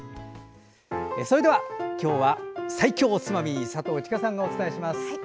それでは今日は最強おつまみ佐藤千佳さんがお伝えします。